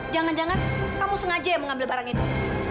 jangan jangan kamu sengaja ya mengambil barang itu